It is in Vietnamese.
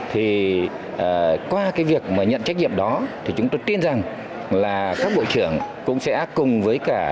thì qua cái việc mà nhận trách nhiệm đó thì chúng tôi tin rằng là các bộ trưởng cũng sẽ cùng với cả cái đội ngũ giúp việc của mình